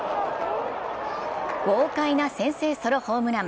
豪快な先制ソロホームラン。